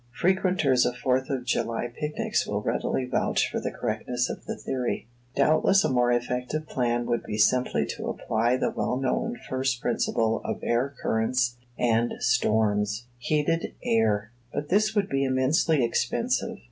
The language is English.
Frequenters of Fourth of July picnics will readily vouch for the correctness of the theory. Doubtless a more effective plan would be simply to apply the well known first principle of air currents and storms heated air; but this would be immensely expensive.